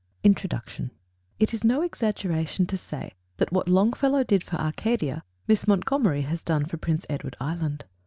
INTRODUCTION It is no exaggeration to say that what Longfellow did for Acadia, Miss Montgomery has done for Prince Edward Island.